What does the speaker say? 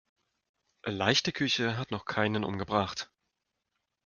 Leichte Küche hat noch keinen umgebracht.